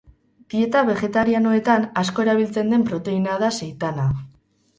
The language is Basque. Dieta begetarianoetan asko erabiltzen den proteina da seitana.